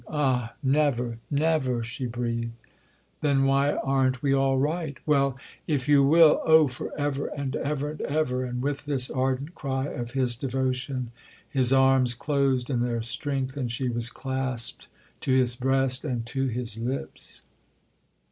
Ah never, never!" she breathed. "Then why aren't we all right?" "Well, if you will——!" "Oh for ever and ever and ever!"—and with this ardent cry of his devotion his arms closed in their strength and she was clasped to his breast and to his lips.